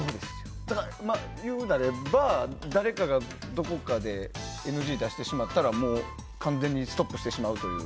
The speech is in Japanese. だから誰かがどこかでＮＧを出したらもう完全にストップしてしまうという。